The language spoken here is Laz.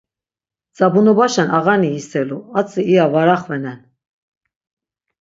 Dzabunobaşen ağani yiselu, adzi iya var axvenen.